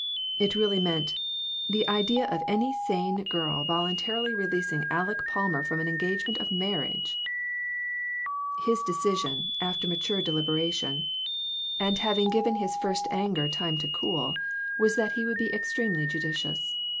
It really meant " The idea of any sane girl voluntarily releasing Aleck Palmer from an engagement of marriage !" His decision, after mature deliberation, and COMPLICATIONS. 357 having given his first anger time to cool, was that he would be extremely judicious.